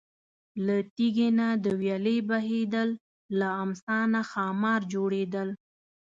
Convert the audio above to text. له تیږې نه د ویالې بهیدل، له امسا نه ښامار جوړېدل.